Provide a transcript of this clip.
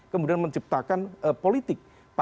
kemudian menciptakan politik